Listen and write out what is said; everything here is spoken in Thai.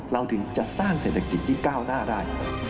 เราถึงจะสร้างเศรษฐกิจที่ก้าวหน้าได้